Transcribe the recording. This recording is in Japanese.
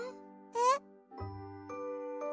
えっ？